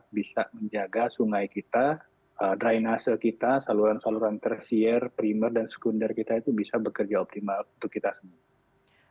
bisa menjaga sungai kita drainase kita saluran saluran tersier primer dan sekunder kita itu bisa bekerja optimal untuk kita semua